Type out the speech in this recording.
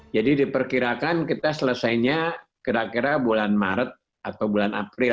jadi diperkirakan kita selesainya kira kira bulan maret atau bulan april